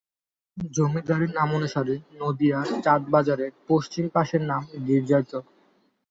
জমিদারের নামানুসারে নদীয়ার চাঁদ বাজারের পশ্চিম পাশের নাম গির্জার চর।